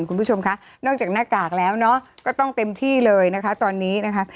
คุณผู้ชมคะนอกจากหน้ากากแล้วเนอะก็ต้องเต็มที่เลยนะคะตอนนี้นะคะ